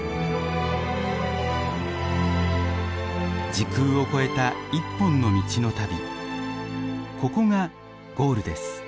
時空を超えた一本の道の旅ここがゴールです。